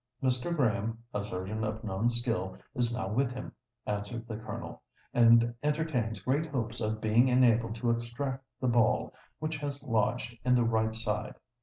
"Mr. Graham, a surgeon of known skill, is now with him," answered the Colonel; "and entertains great hopes of being enabled to extract the ball, which has lodged in the right side.